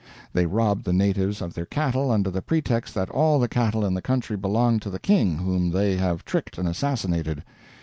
They rob the natives of their cattle under the pretext that all the cattle in the country belonged to the king whom they have tricked and assassinated.